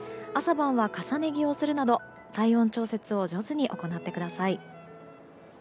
朝晩は重ね着をするなど体温調節を上手に行ってください。